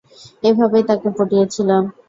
এভাবেই তাকে পটিয়েছিলাম।